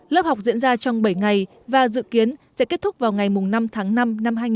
lớp học diễn ra trong bảy ngày và dự kiến sẽ kết thúc vào ngày năm tháng năm năm hai nghìn hai mươi